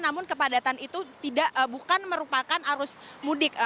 namun kepadatan itu bukan merupakan arus mudik